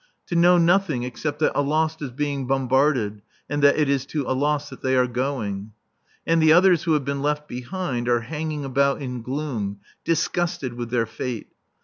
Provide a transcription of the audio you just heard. To know nothing except that Alost is being bombarded and that it is to Alost that they are going. And the others who have been left behind are hanging about in gloom, disgusted with their fate.